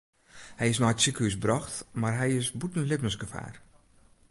Hy is nei it sikehús brocht mar hy is bûten libbensgefaar.